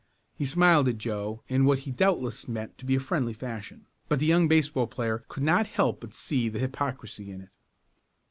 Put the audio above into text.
He smiled at Joe in what he doubtless meant to be a friendly fashion, but the young baseball player could not help but see the hypocrisy in it.